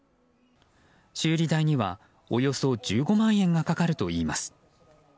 修理代には、およそ１５万円がかかるといいます。